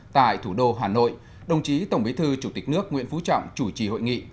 tại thủ đô hà nội đồng chí tổng bí thư chủ tịch nước nguyễn phú trọng chủ trì hội nghị